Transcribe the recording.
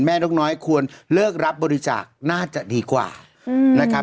นกน้อยควรเลิกรับบริจาคน่าจะดีกว่านะครับ